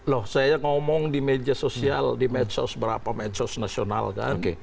loh saya ngomong di media sosial di medsos berapa medsos nasional kan